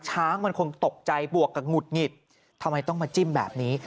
ช้างมันคงตกใจบวกกับหงุดหงิดทำไมต้องมาจิ้มแบบนี้